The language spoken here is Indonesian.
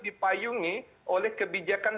dipayungi oleh kebijakan